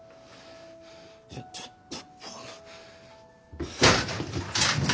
いやちょっと。